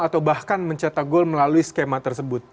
atau bahkan mencetak gol melalui skema tersebut